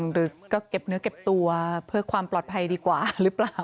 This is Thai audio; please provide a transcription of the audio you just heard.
หรือก็เก็บเนื้อเก็บตัวเพื่อความปลอดภัยดีกว่าหรือเปล่า